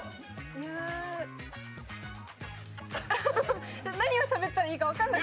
いや、何をしゃべったらいいか分からない。